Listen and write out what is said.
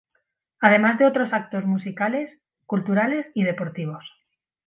Además de otros actos musicales, culturales y deportivos.